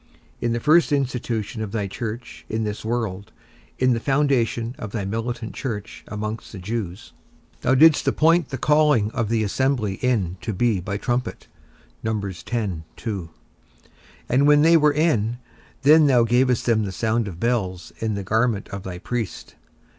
In the first institution of thy church in this world, in the foundation of thy militant church amongst the Jews, thou didst appoint the calling of the assembly in to be by trumpet; and when they were in, then thou gavest them the sound of bells in the garment of thy priest.